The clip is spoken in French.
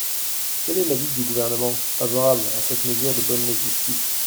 Quel est l’avis du Gouvernement ? Favorable à cette mesure de bonne légistique.